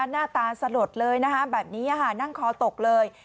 หน้าตาสลดเลยนะคะแบบนี้นั่งคอตกเลย